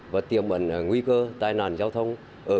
và tiềm ẩn nguy cơ tai nạn giao thông